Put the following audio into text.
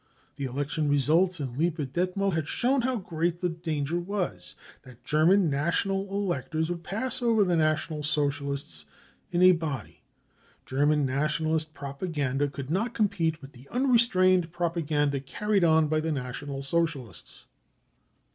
The election results in Lippe Detmokl had shown how great the danger was that German National electors would pass over to the National Socialists in a body. German Nationalist propaganda could not compete with the unrestrained propaganda carried on by the National Socialists.